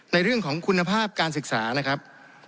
ในเรื่องของคุณภาพการศึกษานะครับ